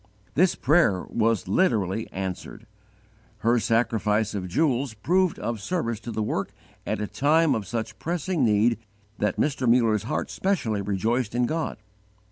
This prayer was literally answered. Her sacrifice of jewels proved of service to the work at a time of such pressing need that Mr. Muller's heart specially rejoiced in God.